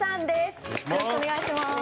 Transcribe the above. よろしくお願いします。